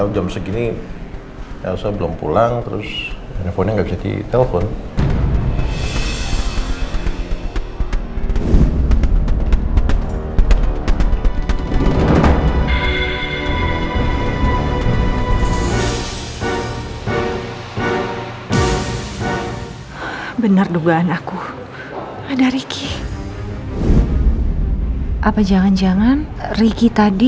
jangan tanya kayak gini lagi ya